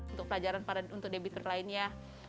untuk pelajaran para debitor lain ya